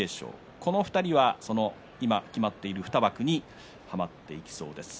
この２人は今決まっている２枠に入っていきそうです。